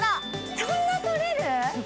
こんな取れる？